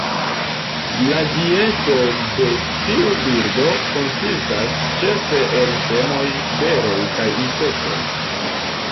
La dieto de tiu birdo konsistas ĉefe el semoj, beroj kaj insektoj.